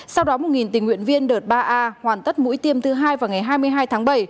sau đó một tình nguyện viên đợt ba a hoàn tất mũi tiêm thứ hai vào ngày hai mươi hai tháng bảy